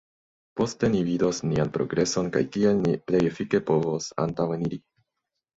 Poste ni vidos nian progreson kaj kiel ni plej efike povos antaŭeniri.